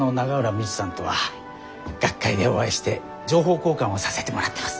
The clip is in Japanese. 未知さんとは学会でお会いして情報交換をさせてもらってます。